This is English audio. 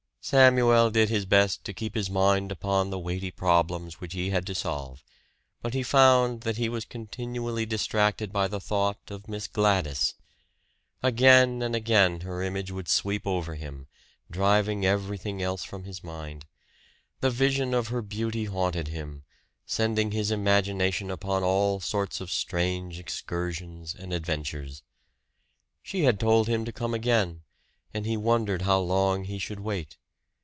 Samuel did his best to keep his mind upon the weighty problems which he had to solve; but he found that he was continually distracted by the thought of Miss Gladys. Again and again her image would sweep over him, driving everything else from his mind. The vision of her beauty haunted him, sending his imagination upon all sorts of strange excursions and adventures. She had told him to come again; and he wondered how long he should wait.